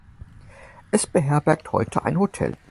Es beherbergt heute ein Hotel.